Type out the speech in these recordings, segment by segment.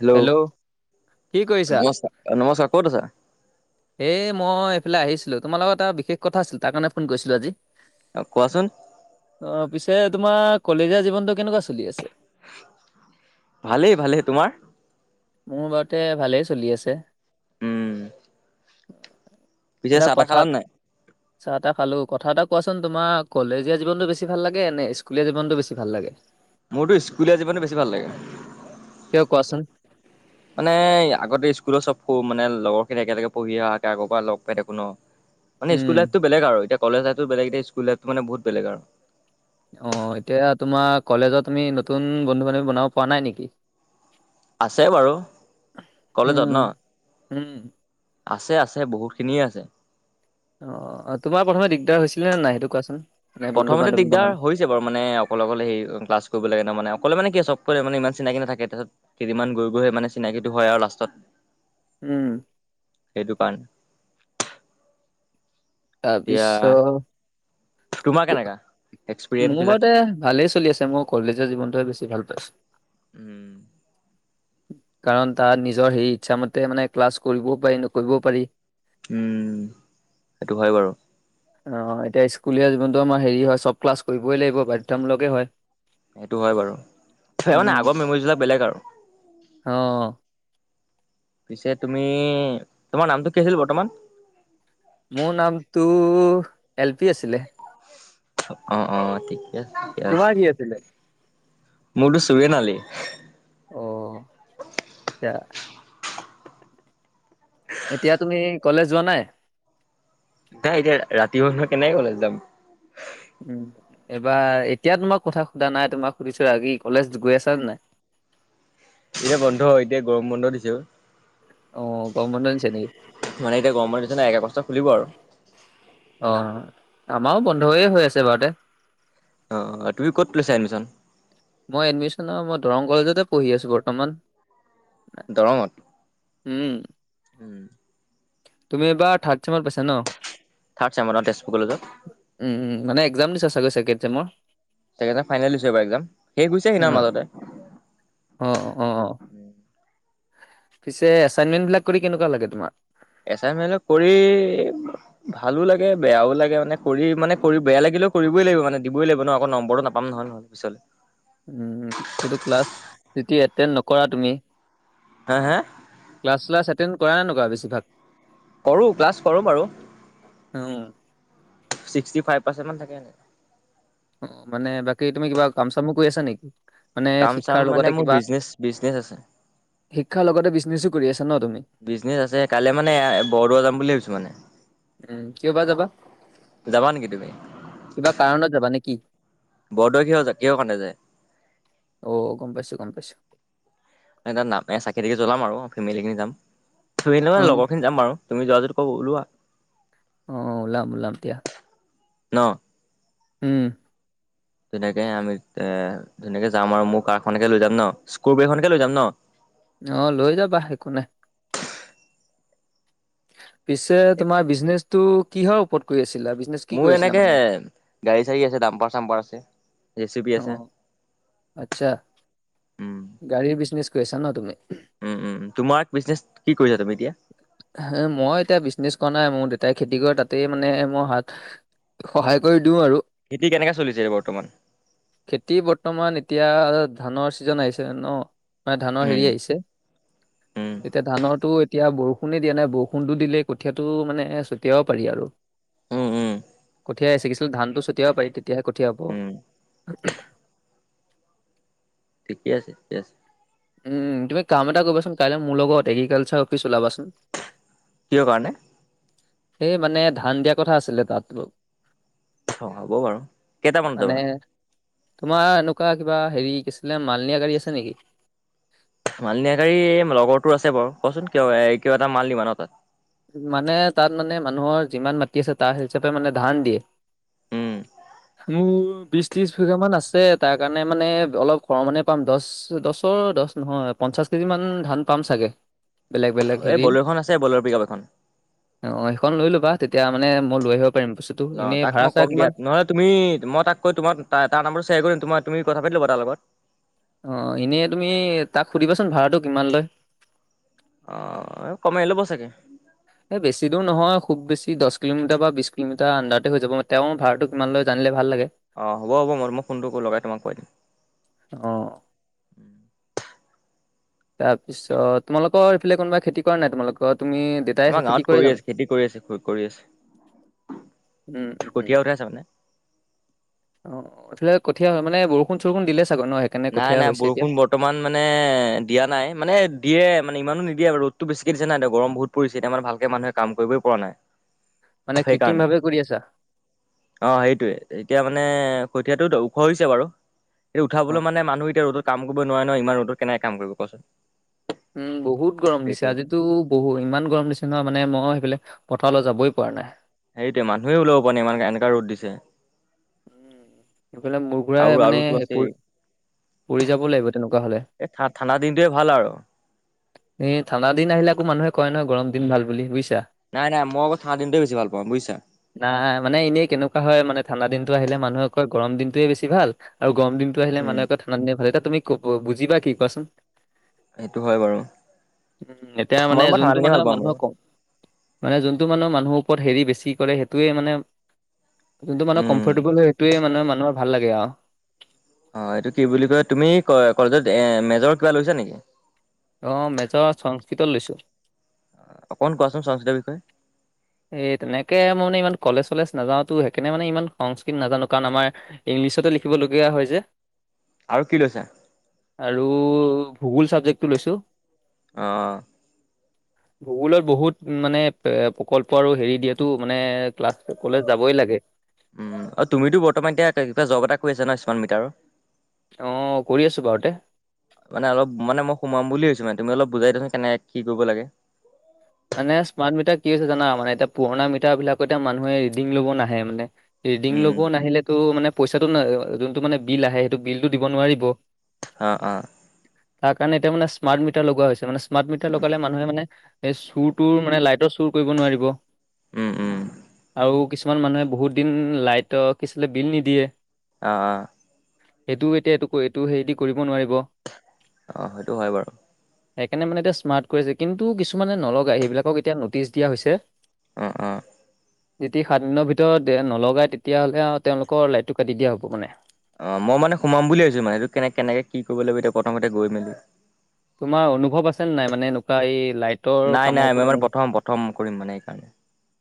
Hello কি নমস্ নমস্কাৰ কত আছা। এ মই এইফালে আহিছিলো তোমাৰ লগত এটা বিশেষ কথা আছিল তাৰ কাৰণে ফোন কৰিছিলো আজি। আহ কোৱাচোন। অ' পিছে তোমাৰ কলেজীয়া জীৱনটো কেনেকুৱা চলি আছে। ভালেই ভালেই- তোমাৰ মোৰ বাৰুতে ভালেই চলি আছে। উম পিছে এটা চাহ তাহ কথাত খালানে নাই চাহ তাহ খালো কথা এটা। কোৱাচোন তোমাৰ কলেজীয়া জীৱনতো বেছি ভাল লাগে নে স্কুলীয়া জীৱনটো বেছি ভাল লাগে। মোৰতো স্কুলীয়া জীৱনতো বেছি ভাল কিয় লাগে। কোৱাচোন? মানে আগতে স্কুলৰ চব- মানে লগৰ খিনি একেলগে পঢ়ি অহাকে আকৌ লগ পাই থাকো ন মানে উম, স্কুল লাইফতটো বেলেগ আৰু এতিয়া- কলেজ লাইফটো বেলেগ এতিয়া স্কুল লাইফটো মানে বহুত বেলেগ। আৰু অঁ এতিয়া তোমাৰ কলেজত আমি নতুন বন্ধু বান্ধৱী বনাব পৰা নাই নেকি- আছে বাৰু কলেজত ন উম, উম, আছে আছে। আছে বহুতখিনিয়ে আছে। অ তোমাৰ প্ৰথমে দিগদাৰ হৈছিলে নে নাই সেইটো কোৱাচোন। মানে বন্ধু প্ৰথমতে বান্ধৱী দিগদাৰ বনাওঁতে, হৈছে বাৰু মানে অকলে অকলে সে ক্লাছ কৰিব লাগে মানে অকলে মানে কি চব মানে ইমান চিনাকি নাথাকে তাত কেইদমান গৈ গৈ সেই মানে চিনাকিটো হয় আৰু লাষ্টত- উম, সেইটো কাৰণে। তাৰ এতিয়া পিছত- তোমাৰ কেনেকা। এক্সপিৰিয়েঞ্চ মোৰ বিলাক বাৰুতে ভালেই চলি আছে মোৰ কলেজৰ জীৱনটোহে বেছি ভাল পাইছো। উম [unintelligible] কাৰণ তাৰ নিজৰ সেই ইচ্ছামতে মানে ক্লাছ কৰিবও পাৰি নকৰিবও পাৰি উম সেইটো হয় বাৰু অ এতিয়া স্কুলীয়া জীৱনতো আমাৰ হেৰি হয় চব ক্লাছ কৰিবই লাগিব বাধ্যতামূলকেই হয় সেইটো হয় বাৰু মানে উম, আগৰ মেমৰিবিলাক বেলেগ আৰু অ' পিছে তুমি তোমাৰ নামটো কি আছিল বৰ্তমান মোৰ নামটো এল পি আছিলে। অ অ ঠিকে আছে ঠিকে তোমাৰ আছে। কি আছিলে? মোৰতো চুৱেন আলি অ এতিয়া তুমি কলেজ যোৱা নাই। নাই এতিয়া ৰাতিপুৱ নহয় কেনেকে কলেজ যাম। উম এইবাৰ এতিয়া তোমাক কথা সোধা নাই তোমাক সুধিছো আৰুি কলেজ গৈ আছানে নাই- [unintelligible] এতিয়া বন্ধ এতিয়া গৰম বন্ধ দিছে। অ গম বন্ধ দিছে নেকি- মানে এতিয়া গৰমৰ খুলিব আৰু আমাও বন্ধয় হৈ আছে বাৰুতে- অঁ তুমি ক'ত লৈছা এডমিশ্যন- মই এডমিশ্যন ল মই দৰং কলেজতে পঢ়ি আছো বৰ্তমান- দৰঙত- উম তুমি এইবাৰ থাৰ্ড চেমত পাইছা ন- থাৰ্ড চিয়েমৰ তেজপুৰ কলেজত- উম, উম, মানে এক্জাম দিছা চাগৈ ছে সেইকেইটা ফাইনেল দিছে পাই এক্জাম সেই কোইছে অ', মাজতে- অ অ অ, পিছে এচাইনমেন্ট বিলাক কৰি কেনেকুৱা লাগে তোমাৰ এচাইনমেন্ট কৰি ভালো লাগে বেয়াও লাগে মানে কৰি মানে কৰি বেয়া লাগে কৰিবই লাগিব মানে দিবই লাগিব ন আকৌ নম্বৰটো নাপাম নহয় নহয় পিছলে উম সেটো ক্লাছ এতিয়া এটেন্ডে নকৰা তুমি হা হা ক্লাছ স্লাছ এটেণ্ড কৰা নকৰা বেছিভাগ কৰোঁ ক্লাছ কৰোঁ বাৰু অ ছিক্সটি ফাইভ পাৰ্চেট মান থাকে অ মানে বাকী তুমি কিবা কাম চামো কৰি আছা নিকি মানে কাম চাম শিক্ষাৰ মানে লগতে মোৰ কিবা বিজনেচ বিজনেচ আছে শিক্ষাৰ লগতে বিজনেছো কৰি আছা ন তুমি বিজনেছ আছে কাইলে মানে বৰদোৱা যাম বুলি ভাবিছোঁ মানে উম কিয় বা যাবা যাবা নেকি তুমি কিবা কাৰণত যাবা নিকি বৰদুৱা কিয় কিহৰ কাৰণে যায় অ', গম পাইছো, গম পাইছো। এনে যাম চাকি থাকি জ্বলাম আৰু ফেমিলি খিনি যাম এনেও অ', লগৰ খিনি যাম বাৰু তুমি যোৱা যদি অওঁ ওলোৱা অ ওলাম ওলাম দিয়া ন হুম তেনেকে আমি এ ধুনীয়াকে যাম আৰু মোৰ কাৰখনকে লৈ যাম ন স্কৰপীঅখনকে লৈ যাম ন অহ লৈ যাবা একো নাই পিছে তোমাৰ বিজনেচটো কিহৰ ওপৰত কৰি আছে মোৰ এনেকে গাড়ী চাড়ী আছে ডাম্পাৰ চাম্পাৰ আছে জেচিপি অ আছে আচ্ছা উম গাড়ীৰ বিজনেচ কৰি আছা ন তুমি কি‌ কৰিছা তুমি? এতিয়া হ মই এতিয়া বিজনেছ কোৱা নাই মোৰ দেউতাই খেতি কৰে তাতেই মানে মই হাত সহায় কৰি দিও আৰু খেতি কেনেকে চলিছে বৰ্তমান। খেতি বৰ্তমান এতিয়া ধানৰ ছিজন আহিছে। ন মানে ধানৰ হেৰি উম আহিছে উম এতিয়া ধানৰতো এতিয়া বৰষুণে দিয়া নাই বৰষুণটো দিলে কঠীয়াটো মানে ছটিয়াব পাৰি আৰু উম উম কঠীয়া এ চিগিছো ধানটো ছটিয়াব পাৰি তেতিয়াহে কঠীয়া হ'ব উম ঠিকে আছে ঠিকে আছে উম তুমি কাম এটা কৰিবাচোন কাইলে মোৰ লগত এগ্ৰিকালচাৰ অফিচ ওলাবাচোন কিহৰ কাৰণে? এই মানে ধান দিয়া কথা আছিলে তাত অ হ'ব বাৰু কেইটামানত মানে যাবা? তোমাৰ এনেকুৱা কিবা হেৰি কি আছিলে মাল নিয়া গাড়ী আছে নিকি? মালনিয়া গাড়ী এই লগৰটো আছে বাৰু কচোন কিয় কিয় এটা মাল নিবা ন তাত, মানে তাত মানে মানুহৰ যিমান মাটি আছে তাৰ হিচাপে মানে ধান দিয়ে। হু মোৰ বিশ ত্ৰিশ বিঘা মান আছে তাৰ কাৰণে মানে অলপ হৰ মানে পাম দছ দছৰ দছ নহয় পঞ্চাশ কেজি মান ধান পাম চাগে বেলেগ বেলেগ এই হেৰি বলেৰ এখন আছে বলেৰ পিকআপ এখন অঁ সেইখন লৈ ল'বা তেতিয়া মানে মই লৈ আহিব পাৰিম বস্তুটো অ এনেই তাক ভাড়া মই চাড়া কম দিয়া কিমান নহলে তুমি মই তাক কৈ তোমাৰ তাৰ নম্বৰটো শ্বেয়াৰ কৰিম তো তুমি কথা পাতি ল'বা তাৰলগত- অ এনেই তুমি তাক সুধিবাচোন ভাড়াটো কিমান লয়? অ কমাই লব চাগে। এ বেছি দূৰ নহয় খুব বেছি দশ কিলোমিটাৰ বা বিশ কিলোমিটাৰ আণ্ডাৰতে হৈ যাব তেওঁ ভাড়াটো কিমান লয় জানিলে ভাল। লাগে অঁ হ'ব হ'ব মই মই ফোনটো লগাই তোমাক কৈ দিম।। আহ। তাৰপিছত তোমালোকৰ এইফালে কোনোবা খেতি কৰা নাই তোমালগত? তুমি দেউতাই আছে আমাৰ খেতি গাঁৱত কৰে কৰি জানো? আছে খেতি কৰি আছে কৰি আছে উম উ উম কঠীয়া উঠাইছে মানে অ এ কঠীয়া হয় মানে বৰষুণ চৰষুণ দিলে, চাগৈ ন সেইকাৰণে নাই কঠীয়া নাই হৈছে এতিয়া বৰষুণ বৰ্তমান মানে- দিয়া নাই মানে দিয়ে মানে ইমানো নিদিয়ে আৰু ৰ'টো বেছিকে দিছে নাই এতিয়া গৰম বহুত পৰিছে এতিয়া মানে ভালকে মানুহে কাম কৰিবই পৰা নাই। মানে পৰা নাই। কৃত্ৰিম সেইকাৰণে ভাৱে কৰি আছা অ সেইটোৱে এতিয়া মানে। কঠীয়াতো ওখ হৈছে বাৰু এইটো উঠাব, অ কলৈ মানে মানুহ এতিয়া ৰ'দত‌ কাম কৰিব নোৱাৰে ন ইমান ৰ'দত কেনেকে কাম কৰিব কোৱাচোন? উম বহুত গৰম দিছে সেইটোৱে কথা আজিতো বহু ইমান গৰম দিছে নহয় মানে মই সেইফালে। পথাৰলৈ যাবই পৰা নাই। সেইটোৱে মানুহে ওলাব পৰা নাই ইমানে এনেকা ৰ'দ দিছে। উ সেইফালে মোৰ ঘুৰাই আৰু মানে আৰুতো সেই পৰ আছেই পৰি যাব লাগিব তেনেকুৱা হ'লে। এই ঠাণ্ডা দিনটোৱে ভাল আৰু এ ঠাণ্ডা দিন আহিলে আকো মানুহে কয় নহয় গৰম দিন ভাল বুলি বুজছে‌, নাই নাই মই আকৌ ঠাণ্ডা দিনটোৱে বেছি ভাল পাওঁ বুজিছা নাই মানে এনেই কেনেকুৱা হয় মানে ঠাণ্ডা দিন- আহিলে মানুহে কয় গৰম দিনটোয়ে বেছি ভাল আৰু গৰম দিনটো আহিলে উম মানহে ঠাণ্ডা দিনটো ভাল। তুমি কব বুজিবা কি কোৱাচোন? সেইটো হয় বাৰু- উম এতিয়া মানে মই ঠাণ্ডা যোনটো দিনে মানে ভাল পাওঁ বাৰু মানুহক কম মানে যোনটো মানুহৰ মানুহৰ ওপৰত হেৰি বেছি কৰে সেইটোৱে মানে যোনটো মানুহ উম, কমফৰ্টেবল সেইটোৱে মানে মানুহৰ ভাল লাগে আৰু অ এইটো কি বুলি কয় তুমি কলেজত এ মেজৰ কিবা লৈছা নেকি- আহ মেজৰ সংস্কৃত লৈছো- অ অকণ কোৱাচোন সংস্কৃৃতৰ বিষয়ে- এই তেনেকে মই মানে ইমান কলেজ চলেজ নাযাওতো সেইকাৰণে মানে ইমান সংস্কৃত নাজানো কাৰণ আমাৰ ইলিছতে লিখিবলগীয়া হয় যে আৰু কি লৈছা? আৰু ভূগোল চাবজেক্টটো লৈছো। আহ ভূগোলত বহুত মানে এ কলল্প আৰু হেৰি দিয়াতো মানে ক্লাছ কলে যাবই লাগে উম আৰু তুমিতো বৰ্তমান এতিয়া কিবা জব এটা কৰি আছা ন কিমান অ' কৰি আছো বাৰুতে মিটাৰৰ মানে অলপ মানে মই সোমাম বুলি ভৈছো মানে- তুমি অলপ বুজাই দিছোন কেনেক কি কৰিব লাগে। মানে স্মাৰ্ট মিটাৰ কি আ হৈছে জানা মানে এতিয়া পুৰণা মিটাৰ বিলাকত এতিয়া মানুহে ৰিডিং ল'ব নাহে মানে- ৰিডিং উম, ল'ব নাহিলেতো মানে পইচাটো যোনটো মানে বিল আহে সেইটো বিলটো দিব নোৱাৰিব। অঁ অঁ তাৰ কাৰণে এতিয়া মানে স্মাৰ্ট মিটাৰ লগোৱা হৈছে মানে স্মাৰ্ট মিটাৰ লগালে মানুহে মানে। এই চুৰটো মানে লাইটৰ চুৰ কৰিব নোৱাৰিব উম উম। আৰু কিছুমান মানুহে বহুত দিন লাইটৰ কিছিলে বিল নিদিয়ে- আহ আহ এইটোও এতিয়া এই এইটো হেৰিদি কৰিব নোৱাৰিব অ সেইটো হয় বাৰু সেইকাৰণে মানে এতিয়া স্মাৰ্ট কৰিছে কিন্তু কিছুমানে নলগা সেইবিলাকক এতিয়া নটিচ দিয়া হৈছে অ অ যদি সাত দিনৰ ভিতৰত নলগাই তেতিয়াহ'লে আৰু তেওঁলোকৰ লাইটটো কাটি দিয়া হ'ব মানে অ মই মানে সোমাম বুলি ভাবিছোঁ মানে সটো কেনে কেনেকে কি কৰিব লাগিব এতিয়া প্ৰথমতে গৈ মেলি তোমাৰ অনুভৱ আছেনে নাই মানে এনেকুৱা এই লাইটৰ নাই নাই কামৰ মই ওপৰত মানে অনুভৱ প্ৰথম প্ৰথম কৰিম মানে এইকাৰণে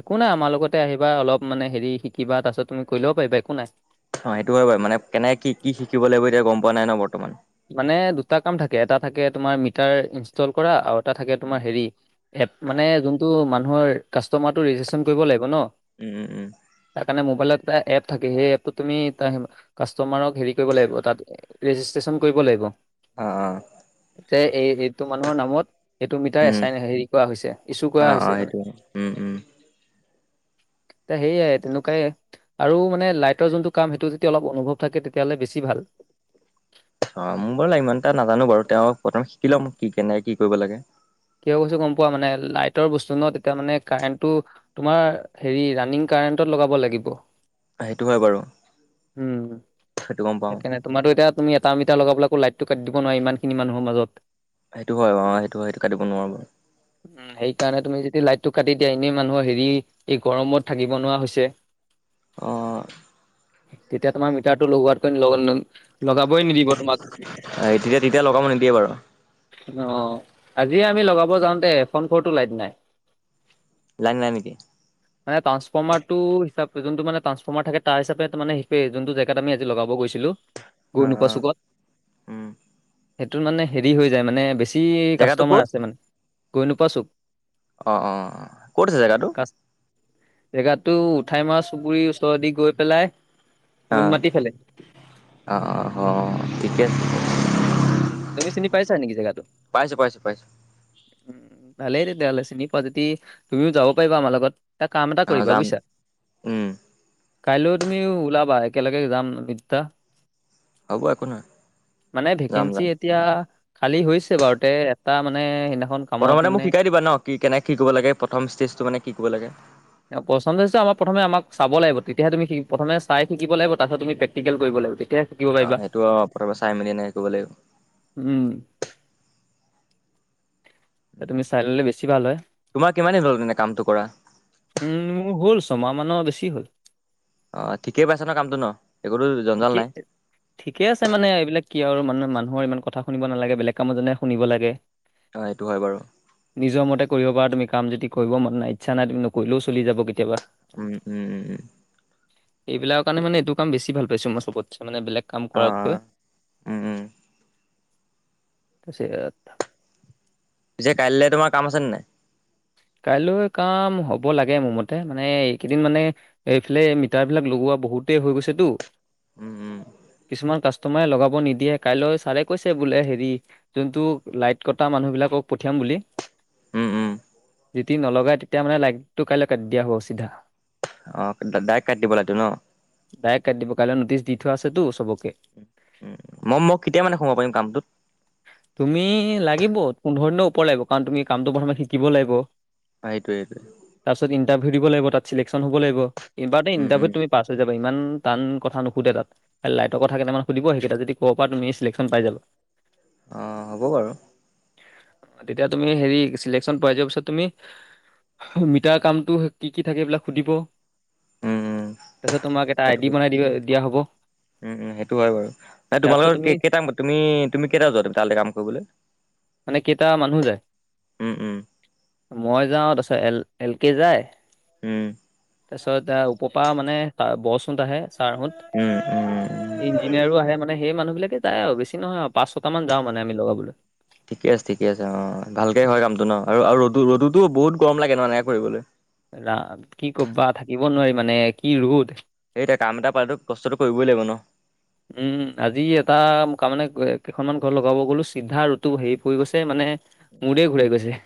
একো নাই আমাৰ লগতে আহিবা অলপ মানে হেৰি শিকিবা তাৰপিছত তুমি কৰি ল'ব পাৰিবা একো নাই অ সেইটো হয় বাৰু মানে কেনে কি কি শিকিব লাগিব এতিয়া গম পোৱা নাই ন বৰ্তমান মানে দুটা কাম থাকে এটা থাকে তোমাৰ মিটাৰ ইনষ্টল কৰা আৰু এটা থাকে উম, তোমাৰ হেৰি এপ মানে যোনটো মানুহৰ কাষ্টমাৰটো ৰেজিষ্ট্ৰেশচন কৰিব লাগিব ন উম উম উম ম'বাইলত এটা এপ থাকে সেই এপটোত তুমি কাষ্টমাৰক হেৰি কৰিব লাগিব তাত ৰেজিষ্ট্ৰেশ্যন কৰিব লাগিব আহ আহ যে এই এইটো মানুহৰ নামত এইটো মিটাৰ উম এচাইন হেৰি কৰা হৈছে ইচো অ কৰা অ হৈছে মানে সেইটোৱে উম উম [inaudible] এ সেয়াই তেনেকুৱাই আৰু মানে লাইটৰ যোনটো কাম সেইটো যদি অলপ অনুভৱ থাকে তেতিয়াহ'লে বেছি ভাল [inaudible] অ মোৰ বোলে ইমান এটা নাজানো বাৰু তেওঁ প্ৰথম শিকি লম কি কেনেকে কি কৰিব লাগে কিয় কৈছো গম পোৱা মানে লাইটৰ বস্তু ন তেতিয়া মানে কাৰেণ্টটো তোমাৰ হেৰি ৰানিং কাৰেণ্টত লগাব লাগিব সেইটো হয় বাৰু উম সেইটো গম পাওঁ সেইকাৰণে তোমাতো এতিয়া তুমি এটামি এতিয়া লগাব পলৈ আকো লাইটত কাটি দিব নোৱাৰে ইমান খিনি মানুহৰ মাজত সেইটো হয় অ সেইটো হয় সেইটো কাটিব নোৱাৰো বাৰু উ সেইকাৰণে তুমি যেতিয়া লাইট টো কাটি দিয়া এনেই মানুহৰ হেৰি এই গৰমত থাকিব নোৱাৰা হৈছে অ তেতিয়াাত মই মিতাটো লবাৰ ল লগাবই নিদিব তোমাক এই তেতিয়া তেতিয়া লগাব নিদিয়ে বাৰু অ যদি আমি উম লগাব যাওঁতে ফোন ফ'ৰটো লাইট নাই। লাইন নাই নেকি মানে ট্ৰাসফৰ্মাৰটো হিচাপ যোনটো মানেট্ৰাঞ্চফৰ্মাৰ থাক তাৰ হিাপ ত মানেেই যোনটো জেকট আমি আজি লগাব গৈছিলোঁ। গৈ অ নোপোৱা অ চুকত উম সেইটোত মানে হেৰি হৈ যায় মানে বেছি জেগাটো কাষ্টমাৰ ক'ত আছে মানে গৈ নোপোৱা চব অ অ ক'ত আছে জেগাটো জেগাতো উঠাই মৰা চুবুৰীৰ ওচৰদি গৈ পেলাই অ নুনমাটি ফালে অ অ অ ঠিকে আছে তুমি চিনি পাইছা নেকি জেগাটো? পাইছো পাইছো পাইছো উ ভালেই তেতিয়াহ'লে চিনি পোৱা যদি তুমিও যাব পাৰিবা আমাৰ লগত? এটা কাম এটা অ কৰিবা যাম বুজিছা উম কাইলৈ তুমি ওলাবা একেলগে যাম বুজিছা হ'ব একো নহয় মানে যাম ভেকেঞ্চি যাম এতিয়া খালি হৈছে বাৰু তে এটা মানে কামত প্ৰথমতে মানে মোক শিকাই দিবা ন কি কেনে কি ক লাগে প্ৰথম ষ্টেজটো মানে কি কৰিব লাগে। পচন্দ হৈছে আমাৰ প্ৰথমে আমাক চাব লাগিব তেতিয়াহে তুমি প্ৰথম চাই শিকিব লাগিব তাতে তুমি পেটিকেল কৰিব লাগিব তেতিয়া থাকিব অ পাৰিবা সেইটো অ প্ৰথমে চাই মেলি এনেকে কৰিব লাগিব উম তুমি চাই ললে বেছি ভাল হয়। তোমাৰ কিমান দিন হ'ল তেনে কামটো কৰা উম মোৰ হ'ল ছমাহ মানৰ বেছি হ'ল। অ ঠিকেই পাইছা ন কামটো ন একোতো জঞ্জাল ঠিকে নাই। ঠিকে আছে মানে এই বিলাক কি আৰু মানে মানুহৰ ইমান কথা শুনিব নালাগে বেলেগ কামত যেনেকৈ শুনিব লাগে। অ এইটো হয় বাৰু। নিজৰ মতে কৰিব পাৰা তুমি কাম যদি কৰিব মন নাই ইচ্ছা নাই তুমি নকৰিলেও চলি যাব কেতিয়াবা। উম উ। এইবিলাকৰ কাৰণে মানে এইটো কাম বেছি ভাল পাইছো মই চবত মানে বেলেগ। কাম অ কৰা কৈ [inaudible] উম উম পিছে কাইলৈ তোমাৰ কাম আছেনে নাই? কাইলৈ কাম হব লাগে মোৰ মতে, মানে এইকেইদিন মানে এইফালে মিটাৰ বিলাক লগোৱা। বহুতেই হৈ গৈছেতো। উম উম। কিছুমান কাষ্টমাৰে লগাব নিদিয়ে কাইলৈ ছাৰে কৈছে বোলে হেৰি যোনটো লাইট কটা মানুহ বিলাকক পঠিয়াম বুলি। উম উম। যেতিদি নলগাই তেতিয়া মানে লাইটটো কাইলৈ কাটি দিয়া হ'ব চিধা। অ ডাইৰেক্ট কাটি দিব লাইটো ন ডাইৰেক্ট কাটি দিব কাইলৈ নটিচ দি থোৱা আছেতো চবক উ উ মই মই কেতিয়া মানে সোমাব পাৰিম কামটোত? তুমি লাগিব পোন্ধৰ দিনৰ ওপৰ লাগিব কাৰণ তুমি কামটো প্ৰথমে শিকিব লাগিব। সেইটোৱে এইটোৱে। সুধিব লাগিব তাত, চিলেকচন হব লাগিব, এবাৰতে উম উম ইণ্টাৰভিউত তুমি পাছ হৈ যাব। ইমান টান কথা নুসুধে তাত। খাল লাইটৰ কথা কেইটামান সুধিব সেইকেইটা যদি ক'ব প পৰা তুমি চিলেকশ্যন পাই যাবা। অঁ হ'ব বাৰু। তেতিয়া তুমি হেৰি চিলেকশ্যন পাই যোৱাৰ পিছত তুমি মিটাৰ কামটো কি কি থাকে এইবিলাক সুধিব। উম উম। তাৰপিছত তোমাক এটা আই সেইটো ডি বনাই দা দিয়া হ'ব। উম উম সেইটো হয় বাৰু ন তাৰপিছত তোমালোকৰ তুমি কেই টাইম তুমি তুমি কেইটা যোৱা তালে কাম কৰিবলৈ? মানে মানুহ যায় উম উম মই যাও তাৰচত এল এল কে যায়। উম তাৰপিছত এ ওপপা মানে গছ হুন্তাহে চাৰহত উম উম উম ইঞ্জিনিয়াৰো আহে মানে সেই মানুহ বিকে যায় আৰু বেছি নহয়। পাঁচ ছট মান যাওঁ মানে আমি লগাবলৈ। ঠিকে আছে ঠিকে আছে অ ভালকে হয় কামটো ন আৰু আৰু ৰদো বহুত গৰম লাগে নহ এনেকে কৰিবলৈ। ৰা কি কবা থাকিব নোৱাৰি মানে কি ৰ'দ। সেই এতিয়া কাম এটা পালেতো কষ্টটো কৰিবই লাগিব ন। উম আজি এটা তাৰ মানে কেইখনমান ঘৰ লগাব গ'লো চিধা ৰদটো হেৰি পৰি গৈছে মানে মূৰে ঘূৰাই গৈছে। [inaudible]